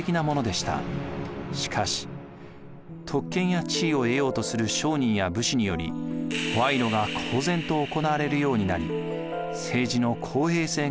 しかし特権や地位を得ようとする商人や武士により賄賂が公然と行われるようになり政治の公平性が損なわれていきます。